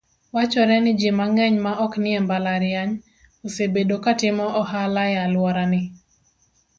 Wachore ni ji mang'eny ma oknie mbalariany, osebedo katimo ohala ealworani.